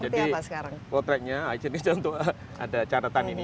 jadi potretnya jadi contoh ada catatan ini